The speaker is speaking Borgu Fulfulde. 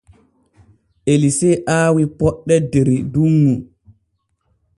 Elise aawi poɗɗe der dunŋu.